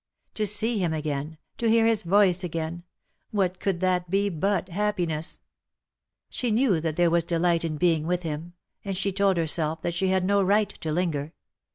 To see him again, to hear his voice again — what could that be but happiness ? She knew that there was delight in being with him, and she told herself that she had no right to linger.